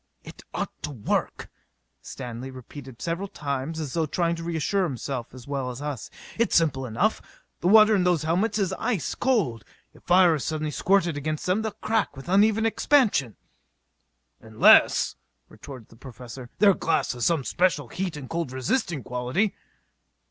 "It ought to work," Stanley, repeated several times as though trying to reassure himself as well as us. "It's simple enough: the water in those helmets is ice cold: if fire is suddenly squirted against them they'll crack with the uneven expansion." "Unless," retorted the Professor, "their glass has some special heat and cold resisting quality."